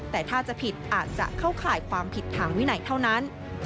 แต่ถ้าจะผิดอาจจะเข้าข่ายความผิดทางวินัยเท่านั้น